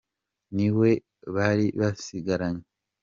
niwe bari basigaranye.